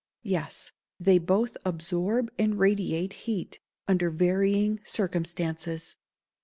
_ Yes. They both absorb and radiate heat, under varying circumstances.